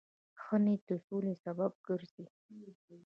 ښه نیت د سولې سبب ګرځي.